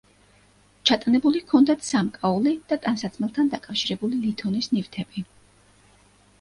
ჩატანებული ჰქონდათ სამკაული და ტანსაცმელთან დაკავშირებული ლითონის ნივთები.